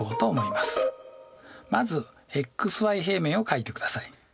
まずｘｙ平面を書いてください。